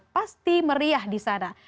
pasti meriah di sana